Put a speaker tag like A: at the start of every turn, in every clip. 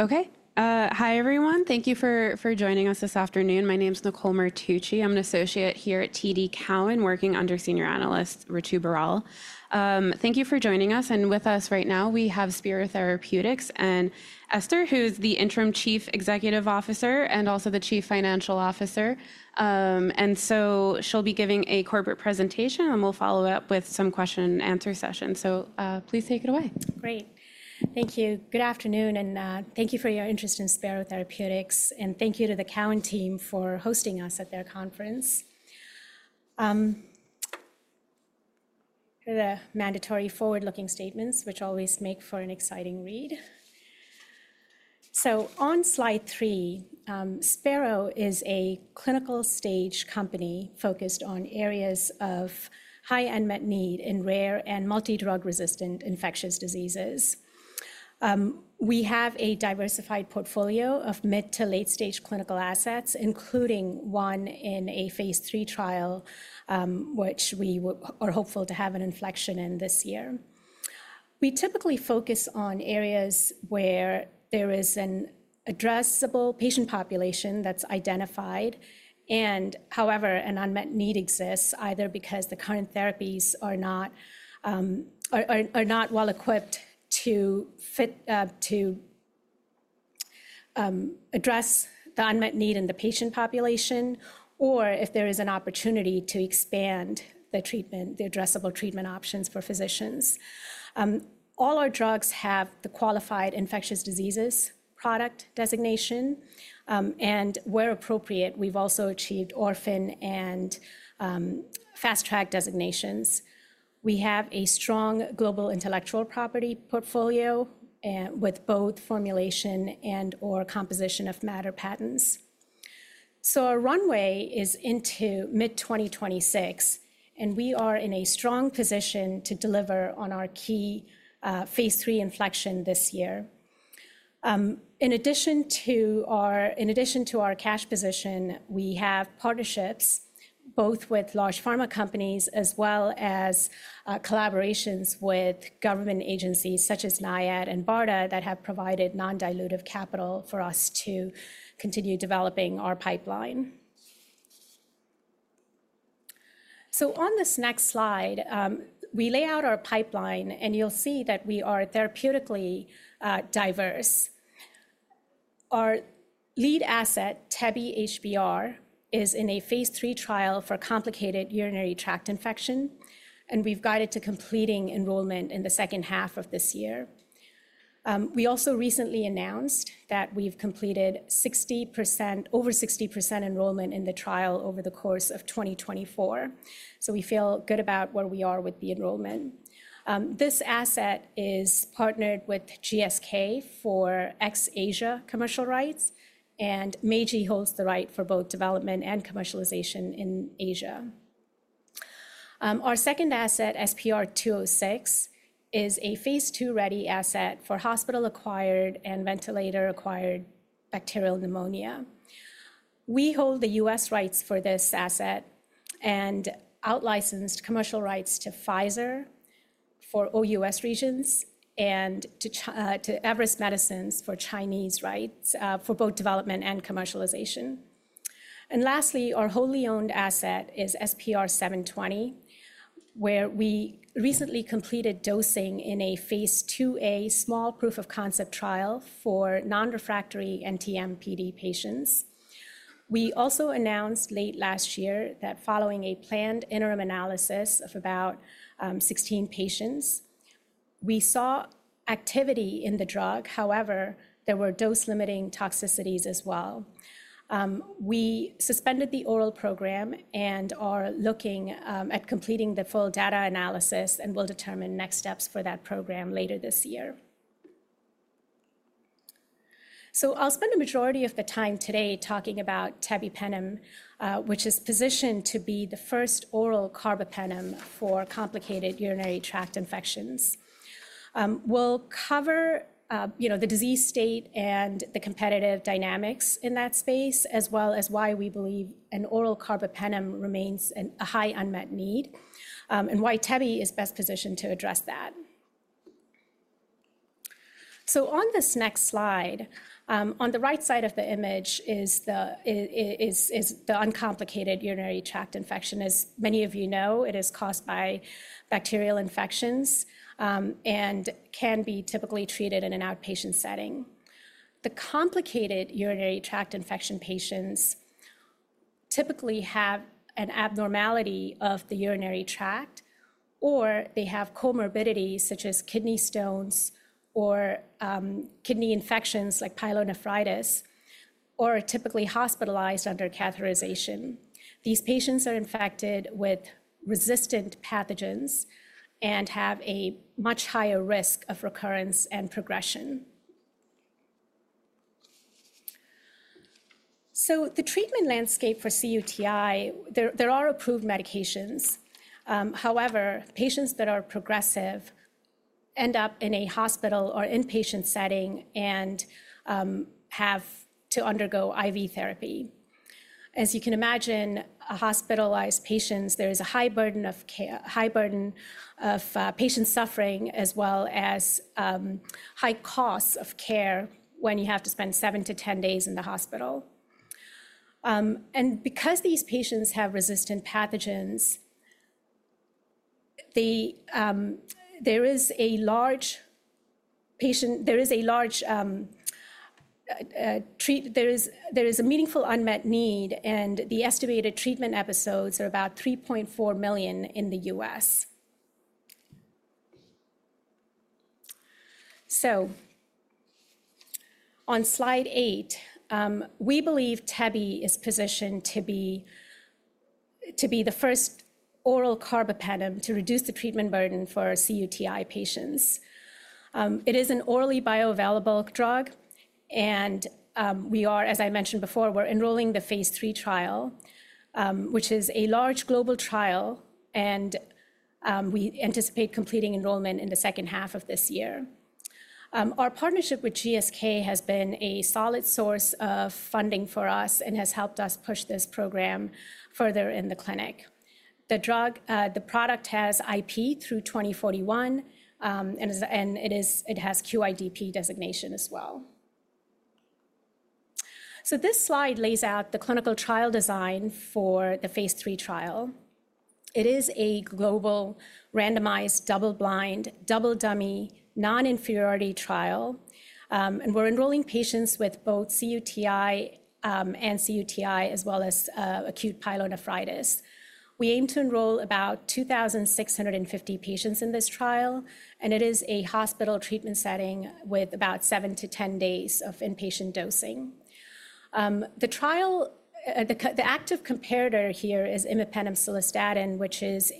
A: Okay. Hi, everyone. Thank you for joining us this afternoon. My name is Nicole Martucci. I'm an associate here at TD Cowen, working under Senior Analyst Ritu Baral. Thank you for joining us. With us right now, we have Spero Therapeutics and Esther, who is the Interim Chief Executive Officer and also the Chief Financial Officer. She'll be giving a corporate presentation, and we'll follow up with some question-and-answer sessions. Please take it away.
B: Great. Thank you. Good afternoon, and thank you for your interest in Spero Therapeutics. Thank you to the Cowen team for hosting us at their conference. Here are the mandatory forward-looking statements, which always make for an exciting read. On slide three, Spero is a clinical stage company focused on areas of high unmet need in rare and multi-drug-resistant infectious diseases. We have a diversified portfolio of mid to late-stage clinical assets, including one in a phase III trial, which we are hopeful to have an inflection in this year. We typically focus on areas where there is an addressable patient population that's identified, and however, an unmet need exists, either because the current therapies are not well equipped to address the unmet need in the patient population, or if there is an opportunity to expand the addressable treatment options for physicians. All our drugs have the Qualified Infectious Diseases Product designation, and where appropriate, we've also achieved Orphan and Fast Track designations. We have a strong global intellectual property portfolio with both formulation and/or composition of matter patents. Our runway is into mid-2026, and we are in a strong position to deliver on our key phase III inflection this year. In addition to our cash position, we have partnerships both with large pharma companies as well as collaborations with government agencies such as NIAID and BARDA that have provided non-dilutive capital for us to continue developing our pipeline. On this next slide, we lay out our pipeline, and you'll see that we are therapeutically diverse. Our lead asset, tebi HBr, is in a phase III trial for complicated urinary tract infection, and we've guided to completing enrollment in the second half of this year. We also recently announced that we've completed over 60% enrollment in the trial over the course of 2024. We feel good about where we are with the enrollment. This asset is partnered with GSK for ex-Asia commercial rights, and Meiji holds the right for both development and commercialization in Asia. Our second asset, SPR-206, is a phase II ready asset for hospital-acquired and ventilator-acquired bacterial pneumonia. We hold the U.S. rights for this asset and outlicensed commercial rights to Pfizer for OUS regions and to Everest Medicines for Chinese rights for both development and commercialization. Lastly, our wholly owned asset is SPR-720, where we recently completed dosing in a phase IIa small proof of concept trial for non-refractory NTM-PD patients. We also announced late last year that following a planned interim analysis of about 16 patients, we saw activity in the drug. However, there were dose-limiting toxicities as well. We suspended the oral program and are looking at completing the full data analysis and will determine next steps for that program later this year. I'll spend the majority of the time today talking about tebipenem, which is positioned to be the first oral carbapenem for complicated urinary tract infections. We'll cover the disease state and the competitive dynamics in that space, as well as why we believe an oral carbapenem remains a high unmet need and why tebi is best positioned to address that. On this next slide, on the right side of the image is the uncomplicated urinary tract infection. As many of you know, it is caused by bacterial infections and can be typically treated in an outpatient setting. The complicated urinary tract infection patients typically have an abnormality of the urinary tract, or they have comorbidities such as kidney stones or kidney infections like pyelonephritis, or are typically hospitalized under catheterization. These patients are infected with resistant pathogens and have a much higher risk of recurrence and progression. The treatment landscape for cUTI, there are approved medications. However, patients that are progressive end up in a hospital or inpatient setting and have to undergo IV therapy. As you can imagine, hospitalized patients, there is a high burden of patient suffering as well as high costs of care when you have to spend 7-10 days in the hospital. Because these patients have resistant pathogens, there is a large patient, there is a large treat, there is a meaningful unmet need, and the estimated treatment episodes are about 3.4 million in the U.S. On slide eight, we believe tebi is positioned to be the first oral carbapenem to reduce the treatment burden for cUTI patients. It is an orally bioavailable drug, and we are, as I mentioned before, we're enrolling the phase III trial, which is a large global trial, and we anticipate completing enrollment in the second half of this year. Our partnership with GSK has been a solid source of funding for us and has helped us push this program further in the clinic. The product has IP through 2041, and it has QIDP designation as well. This slide lays out the clinical trial design for the phase III trial. It is a global randomized double-blind, double-dummy, non-inferiority trial, and we're enrolling patients with both cUTI as well as acute pyelonephritis. We aim to enroll about 2,650 patients in this trial, and it is a hospital treatment setting with about 7-10 days of inpatient dosing. The active comparator here is imipenem-cilastatin which is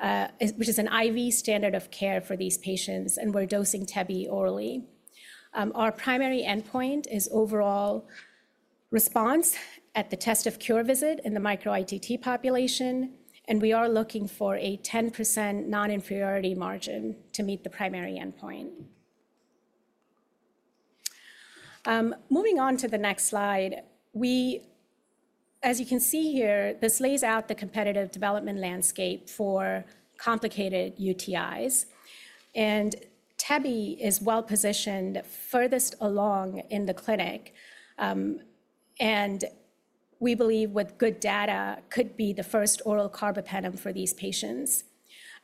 B: an IV standard of care for these patients, and we're dosing tebi orally. Our primary endpoint is overall response at the test of cure visit in the micro-ITT population, and we are looking for a 10% non-inferiority margin to meet thr primary endpoint. Moving on to the next slide, as you can see here, this lays out the competitive development landscape for complicated UTIs. And tebi is well positioned furthest along in the clinic, and we believe with good data could be the first oral carbapenem for these patients.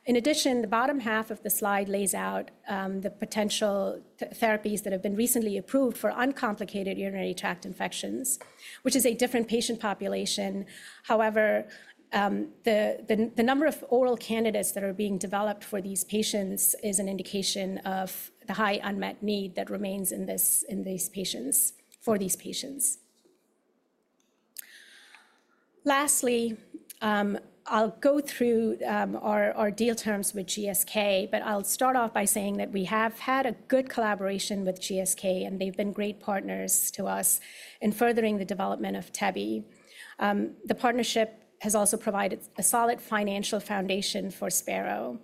B: In addition, the bottom half of the slide lays out the potential therapies that have been recently approved for uncomplicated urinary tract infections, which is a different patient population. However, the number of oral candidates that are being developed for these patients is an indication of the high unmet need that remains in these patients for these patients. Lastly, I'll go through our deal terms with GSK, but I'll start off by saying that we have had a good collaboration with GSK, and they've been great partners to us in furthering the development of tebi. The partnership has also provided a solid financial foundation for Spero.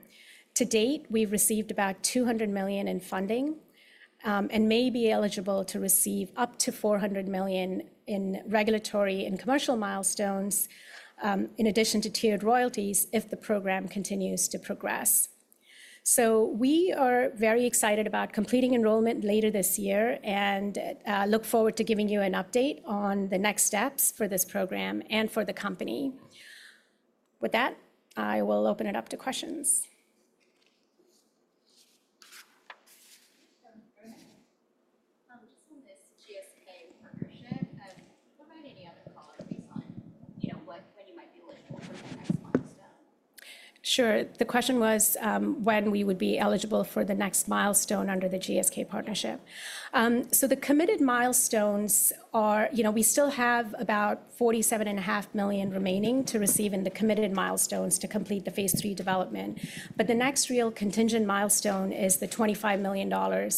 B: To date, we've received about $200 million in funding and may be eligible to receive up to $400 million in regulatory and commercial milestones in addition to tiered royalties if the program continues to progress. We are very excited about completing enrollment later this year and look forward to giving you an update on the next steps for this program and for the company. With that, I will open it up to questions.
A: Just on this GSK partnership, what about any other collaborations on when you might be looking for the next milestone?
B: Sure. The question was when we would be eligible for the next milestone under the GSK partnership. The committed milestones are, we still have about $47.5 million remaining to receive in the committed milestones to complete the phase II development, but the next real contingent milestone is the $25 million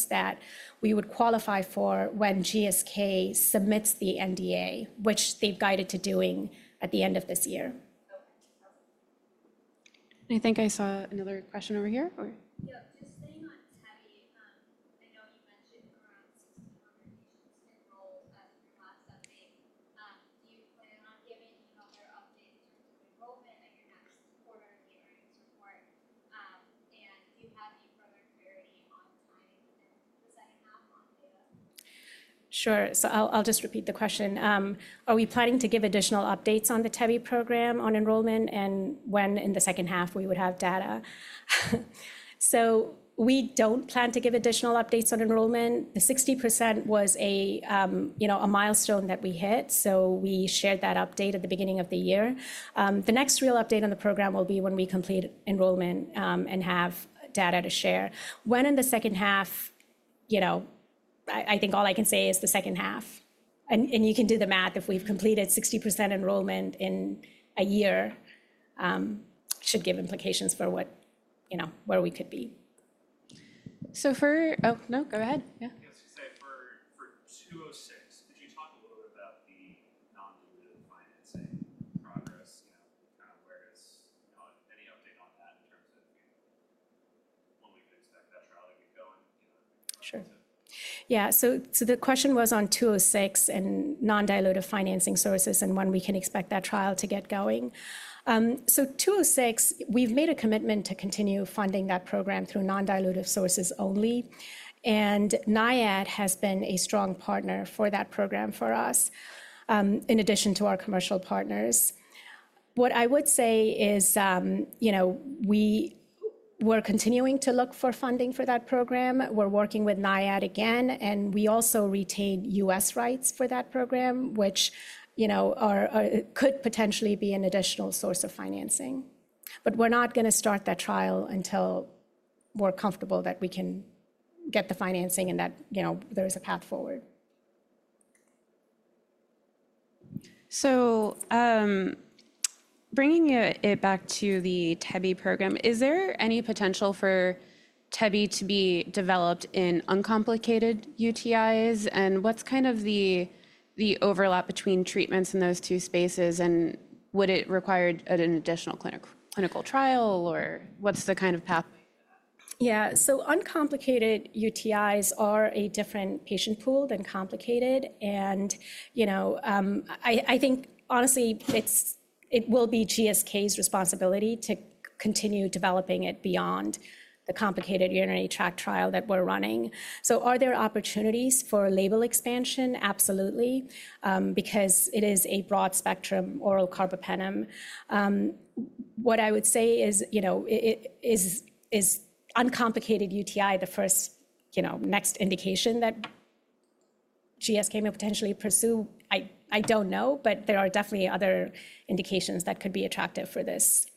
B: that we would qualify for when GSK submits the NDA, which they've guided to doing at the end of this year.
A: I think I saw another question over here. Yeah, just staying on tebi, I know you mentioned around 6,000 patients enrolled in your last update. Do you plan on giving any other updates in terms of enrollment in your next quarterly earnings report? Do you have any further clarity on timing and the second half on data?
B: Sure. I'll just repeat the question. Are we planning to give additional updates on the tebi program on enrollment and when in the second half we would have data? We don't plan to give additional updates on enrollment. The 60% was a milestone that we hit, so we shared that update at the beginning of the year. The next real update on the program will be when we complete enrollment and have data to share. When in the second half, I think all I can say is the second half. You can do the math. If we've completed 60% enrollment in a year, it should give implications for where we could be.
A: For, oh, no, go ahead. Yeah. I was going to say for 206, could you talk a little bit about the non-committed financing progress, kind of where it is? Any update on that in terms of when we can expect that trial to be going?
B: Sure. Yeah. The question was on 206 and non-dilutive financing sources and when we can expect that trial to get going. 206, we've made a commitment to continue funding that program through non-dilutive sources only, and NIAID has been a strong partner for that program for us in addition to our commercial partners. What I would say is we're continuing to look for funding for that program. We're working with NIAID again, and we also retain U.S. rights for that program, which could potentially be an additional source of financing. We're not going to start that trial until we're comfortable that we can get the financing and that there is a path forward.
A: Bringing it back to the tebi program, is there any potential for tebi to be developed in uncomplicated UTIs? What's kind of the overlap between treatments in those two spaces, and would it require an additional clinical trial, or what's the kind of pathway to that?
B: Yeah. Uncomplicated UTIs are a different patient pool than complicated. I think, honestly, it will be GSK's responsibility to continue developing it beyond the complicated urinary tract trial that we're running. Are there opportunities for label expansion? Absolutely, because it is a broad spectrum oral carbapenem. What I would say is, is uncomplicated UTI the first next indication that GSK may potentially pursue? I don't know, but there are definitely other indications that could be attractive for this.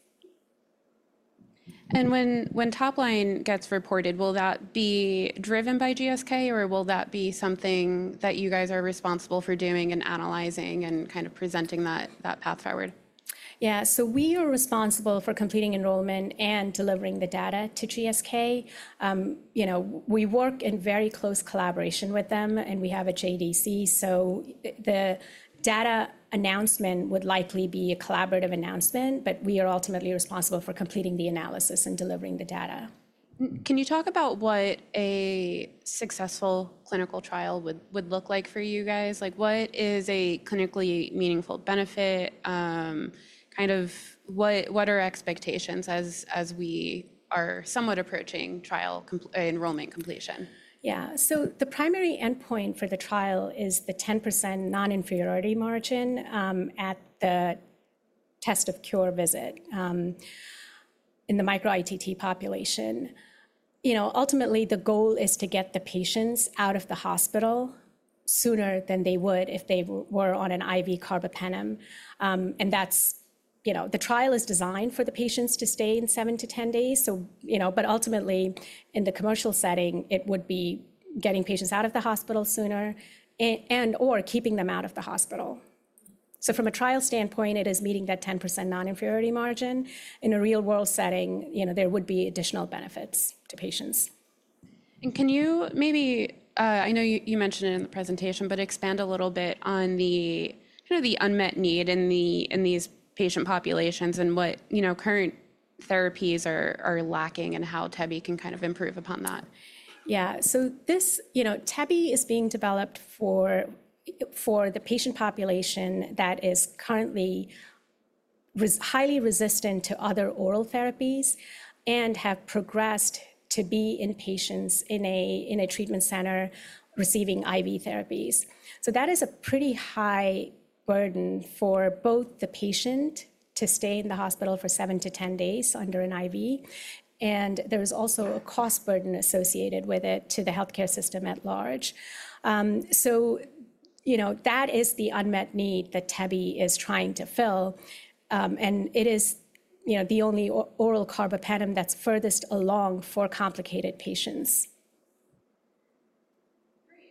A: When top line gets reported, will that be driven by GSK, or will that be something that you guys are responsible for doing and analyzing and kind of presenting that path forward?
B: Yeah. We are responsible for completing enrollment and delivering the data to GSK. We work in very close collaboration with them, and we have a JDC, so the data announcement would likely be a collaborative announcement, but we are ultimately responsible for completing the analysis and delivering the data.
A: Can you talk about what a successful clinical trial would look like for you guys? What is a clinically meaningful benefit? Kind of what are expectations as we are somewhat approaching enrollment completion?
B: Yeah. The primary endpoint for the trial is the 10% non-inferiority margin at the test of cure visit in the micro-ITT population. Ultimately, the goal is to get the patients out of the hospital sooner than they would if they were on an IV carbapenem. The trial is designed for the patients to stay in 7-10 days, but ultimately, in the commercial setting, it would be getting patients out of the hospital sooner and/or keeping them out of the hospital. From a trial standpoint, it is meeting that 10% non-inferiority margin. In a real-world setting, there would be additional benefits to patients.
A: Can you maybe, I know you mentioned it in the presentation, expand a little bit on the unmet need in these patient populations and what current therapies are lacking and how tebi can kind of improve upon that?
B: Yeah. Tebi is being developed for the patient population that is currently highly resistant to other oral therapies and have progressed to be in patients in a treatment center receiving IV therapies. That is a pretty high burden for both the patient to stay in the hospital for 7-10 days under an IV, and there is also a cost burden associated with it to the healthcare system at large. That is the unmet need that tebi is trying to fill, and it is the only oral carbapenem that's furthest along for complicated patients.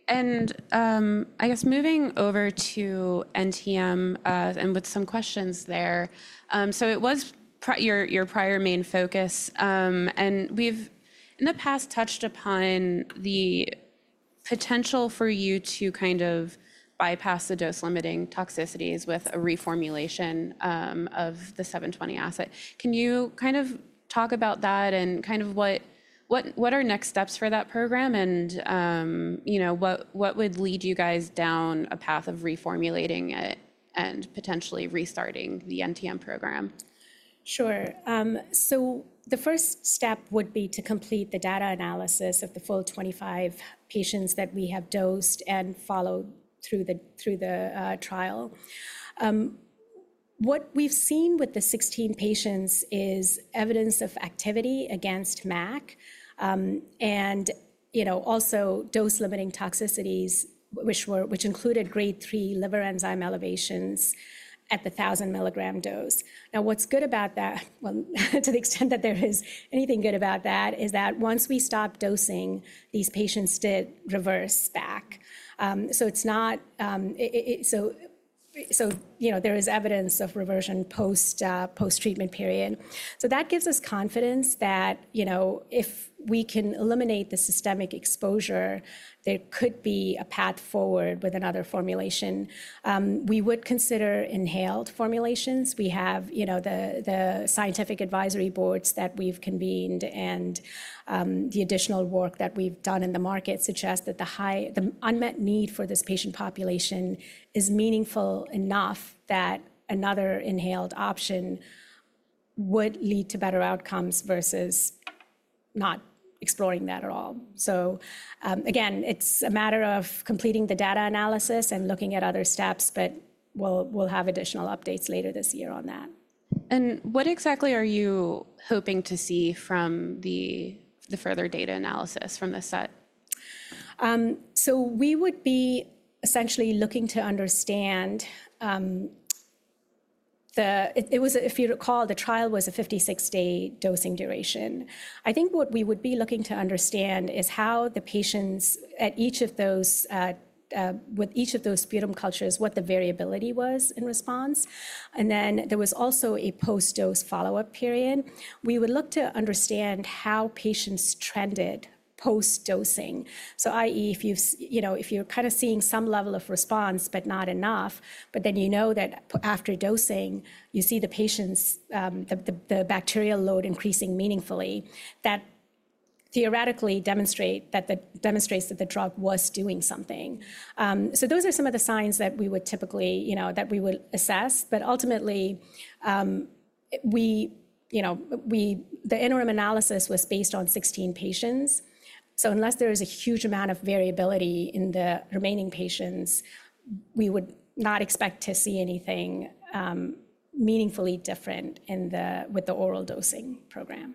A: Great. I guess moving over to NTM and with some questions there. It was your prior main focus, and we've in the past touched upon the potential for you to kind of bypass the dose-limiting toxicities with a reformulation of the 720 asset. Can you kind of talk about that and what are next steps for that program and what would lead you guys down a path of reformulating it and potentially restarting the NTM program?
B: Sure. The first step would be to complete the data analysis of the full 25 patients that we have dosed and followed through the trial. What we've seen with the 16 patients is evidence of activity against MAC and also dose-limiting toxicities, which included Grade 3 liver enzyme elevations at the 1,000 milligram dose. Now, what's good about that, to the extent that there is anything good about that, is that once we stopped dosing, these patients did reverse back. There is evidence of reversion post-treatment period. That gives us confidence that if we can eliminate the systemic exposure, there could be a path forward with another formulation. We would consider inhaled formulations. We have the scientific advisory boards that we've convened, and the additional work that we've done in the market suggests that the unmet need for this patient population is meaningful enough that another inhaled option would lead to better outcomes versus not exploring that at all. Again, it's a matter of completing the data analysis and looking at other steps, but we'll have additional updates later this year on that.
A: What exactly are you hoping to see from the further data analysis from the set?
B: We would be essentially looking to understand the, if you recall, the trial was a 56-day dosing duration. I think what we would be looking to understand is how the patients at each of those, with each of those sputum cultures, what the variability was in response. There was also a post-dose follow-up period. We would look to understand how patients trended post-dosing. I.e., if you're kind of seeing some level of response but not enough, but then you know that after dosing, you see the patients, the bacterial load increasing meaningfully, that theoretically demonstrates that the drug was doing something. Those are some of the signs that we would typically assess, but ultimately, the interim analysis was based on 16 patients. Unless there is a huge amount of variability in the remaining patients, we would not expect to see anything meaningfully different with the oral dosing program.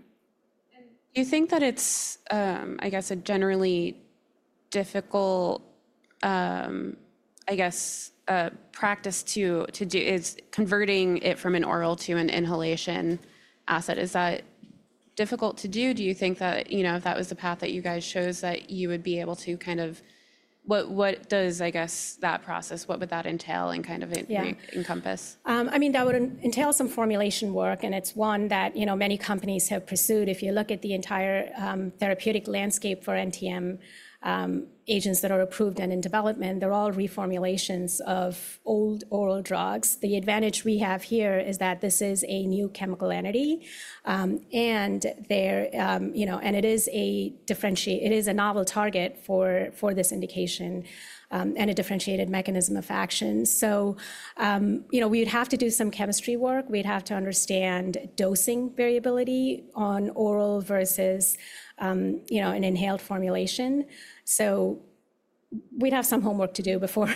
A: Do you think that it's, I guess, a generally difficult, I guess, practice to do, converting it from an oral to an inhalation asset? Is that difficult to do? Do you think that if that was the path that you guys chose, that you would be able to kind of, what does, I guess, that process, what would that entail and kind of encompass?
B: Yeah. I mean, that would entail some formulation work, and it's one that many companies have pursued. If you look at the entire therapeutic landscape for NTM agents that are approved and in development, they're all reformulations of old oral drugs. The advantage we have here is that this is a new chemical entity, and it is a differential, it is a novel target for this indication and a differentiated mechanism of action. We would have to do some chemistry work. We'd have to understand dosing variability on oral versus an inhaled formulation. We'd have some homework to do before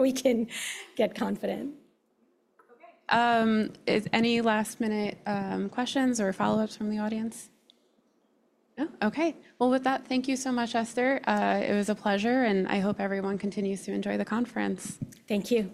B: we can get confident.
A: Okay. Any last-minute questions or follow-ups from the audience? No? Okay. With that, thank you so much, Esther. It was a pleasure, and I hope everyone continues to enjoy the conference.
B: Thank you.